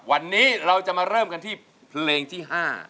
วันนี้เราจะมาเริ่มกันที่เพลงที่๕